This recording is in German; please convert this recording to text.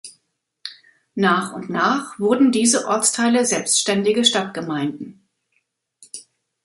Nach und nach wurden diese Ortsteile selbstständige Stadtgemeinden.